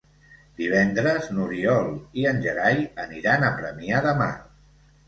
Divendres n'Oriol i en Gerai aniran a Premià de Mar.